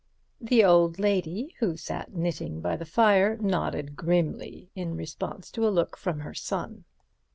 The old lady who sat knitting by the fire nodded grimly in response to a look from her son.